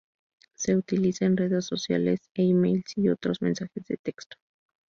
Se utiliza en redes sociales, e-mails y otros mensajes de texto.